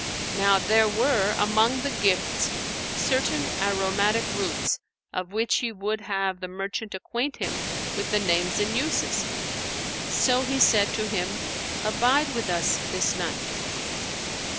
Now, there were, among the gifts, certain aromatic roots of which he would have the merchant acquaint him with the names and uses; so he said to him, "Abide with us this night."